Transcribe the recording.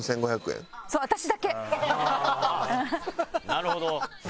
なるほど。